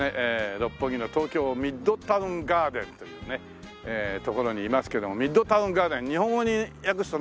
六本木の東京ミッドタウン・ガーデンというね所にいますけども「ミッドタウン・ガーデン」日本語に訳すとな